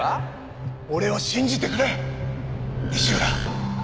俺を信じてくれ西浦！